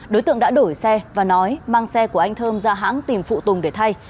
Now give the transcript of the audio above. đối tượng đã đổi xe và nói mang xe của anh thơm ra hãng tìm phụ tùng để thay